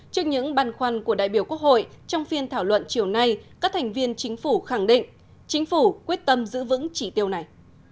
trước những băn khoăn của đại biểu quốc hội trong phiên thảo luận chiều nay các thành viên chính phủ khẳng định chính phủ quyết tâm giữ vững chỉ tiêu này